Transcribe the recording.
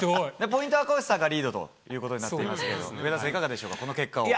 ポイントは赤星さんがリードということになってますけど、上田さん、いかがでしょうか？